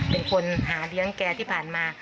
เป็นคนหาเลี้ยงแกที่ผ่านมา